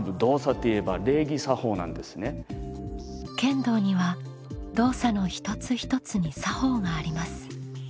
剣道には動作の一つ一つに作法があります。